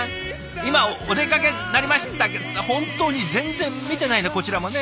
今お出かけになりましたけど本当に全然見てないねこちらもね。